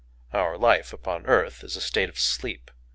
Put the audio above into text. Our life upon earth is a state of sleep.